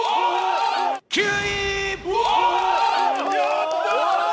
やったー！